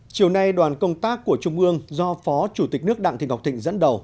chiều nay đoàn công tác của trung ương do phó chủ tịch nước đặng thị ngọc thịnh dẫn đầu